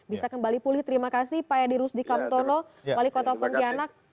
bisa kembali pulih terima kasih pak edi rusdi kamtono wali kota pontianak